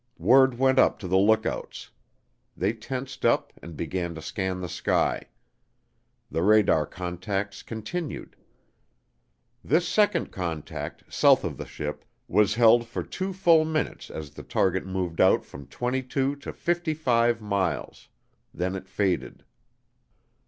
Word went up to the lookouts. They tensed up and began to scan the sky. The radar contacts continued. This second contact, south of the ship, was held for two full minutes as the target moved out from 22 to 55 miles. Then it faded.